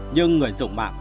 nhưng người dụng mạng